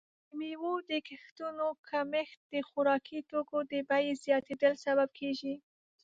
د میوو د کښتونو کمښت د خوراکي توکو د بیې زیاتیدل سبب کیږي.